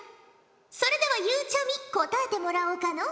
それではゆうちゃみ答えてもらおうかのう。